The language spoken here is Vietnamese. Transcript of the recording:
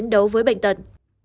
đấu với bệnh tật